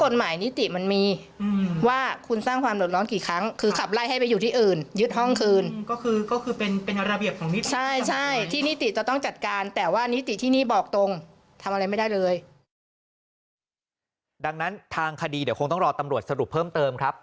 ดังนั้นทางคดีเดี๋ยวคงต้องรอตำรวจสรุปเพิ่มเติมครับ